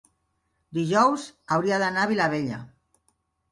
dijous hauria d'anar a Vilabella.